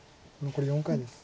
残り４回です。